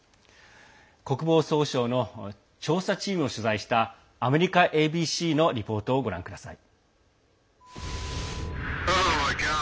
国防総省の調査チームを取材したアメリカＡＢＣのリポートをご覧ください。